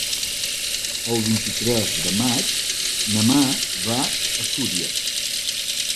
El vint-i-tres de maig na Mar va a Súria.